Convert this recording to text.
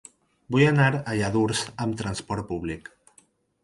Vull anar a Lladurs amb trasport públic.